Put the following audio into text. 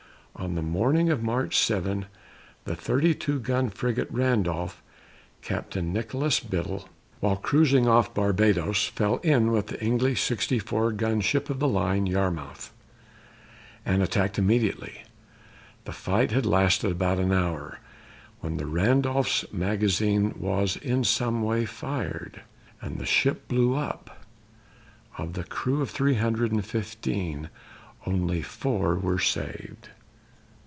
On the morning of March 7, the 32 gun frigate Randolph, Captain Nicholas Biddle, while cruising off Barbadoes, fell in with the English 64 gun ship of the line Yarmouth, and attacked immediately. The fight had lasted about an hour when the Randolph's magazine was in some way fired, and the ship blew up. Of the crew of three hundred and fifteen, only four were saved.